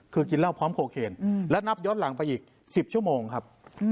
คือกินเหล้าพร้อมโคเคนและนับย้อนหลังไปอีก๑๐ชั่วโมงครับ